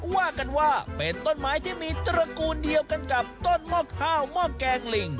ว่ากันว่าเป็นต้นไม้ที่มีตระกูลเดียวกันกับต้นหม้อข้าวหม้อแกงลิง